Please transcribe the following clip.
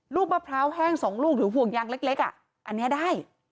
มะพร้าวแห้ง๒ลูกหรือห่วงยางเล็กอันนี้ได้